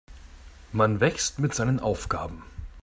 Man wächst mit seinen Aufgaben.